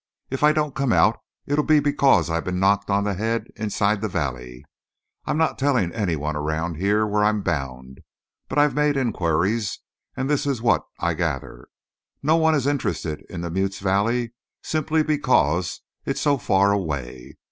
If I don't come out it'll be because I've been knocked on the head inside the valley. I'm not telling any one around here where I'm bound, but I've made inquiries, and this is what I gather: No one is interested in the mute's valley simply because it's so far away.